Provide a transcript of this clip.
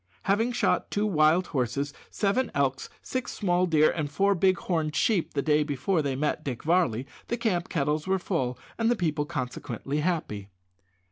Having shot two wild horses, seven elks, six small deer, and four big horned sheep the day before they met Dick Varley, the camp kettles were full, and the people consequently happy.